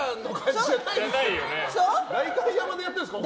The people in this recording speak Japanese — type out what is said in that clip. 代官山でやってるんですか？